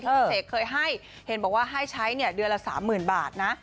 ที่พี่เศกเคยให้เห็นบอกว่าให้ใช้เนี่ยเดือนละสามหมื่นบาทนะ